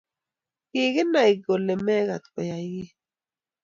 Kiginay kole magat Keyay kiy